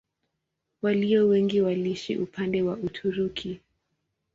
Walio wengi waliishi upande wa Uturuki.